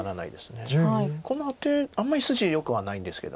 このアテあんまり筋よくはないんですけど。